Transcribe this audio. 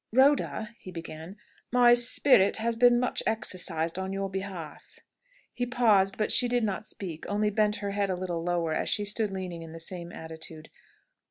"Rhoda," he began, "my spirit has been much exercised on your behalf." He paused; but she did not speak, only bent her head a little lower, as she stood leaning in the same attitude.